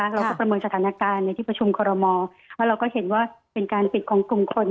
ประเมินสถานการณ์ในที่ประชุมคอรมอแล้วเราก็เห็นว่าเป็นการปิดของกลุ่มคน